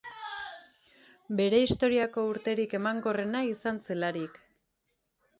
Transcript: Bere historiako urterik emankorrena izan zelarik.